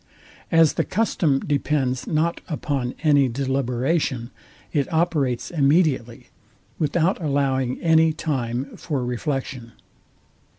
As the custom depends not upon any deliberation, it operates immediately, without allowing any time for reflection.